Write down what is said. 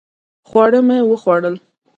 خواړه مې وخوړل